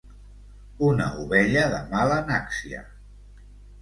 Una ovella de mala nàcsia.